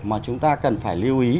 mà chúng ta cần phải lưu ý